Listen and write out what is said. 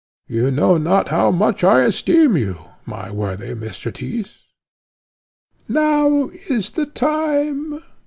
You know not how much I esteem you, my worthy Mr. Tyss." "Now is the time!"